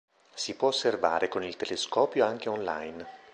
Si può osservare con il telescopio anche online.